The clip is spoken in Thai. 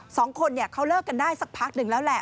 สองคนเนี่ยเขาเลิกกันได้สักพักหนึ่งแล้วแหละ